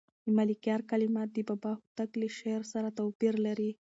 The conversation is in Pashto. د ملکیار کلمات د بابا هوتک له شعر سره توپیر لري.